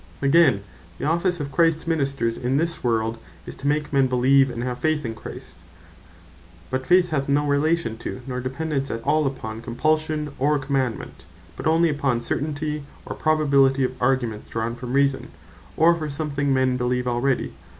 From The Nature Of Faith: Again, the Office of Christs Ministers in this world, is to make men Beleeve, and have Faith in Christ: But Faith hath no relation to, nor dependence at all upon Compulsion, or Commandement; but onely upon certainty, or probability of Arguments drawn from Reason, or from something men beleeve already.